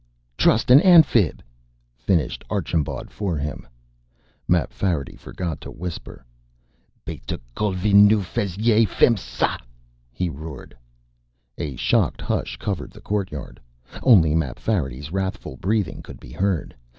"Trust an Amphib," finished Archambaud for him. Mapfarity forgot to whisper. "Bey t'cul, vu nu fez yey! Fe'm sa!" he roared. A shocked hush covered the courtyard. Only Mapfarity's wrathful breathing could be heard.